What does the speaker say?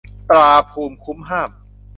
ตราภูมิคุ้มห้าม